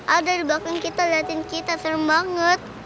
ada di belakang kita liatin kita serem banget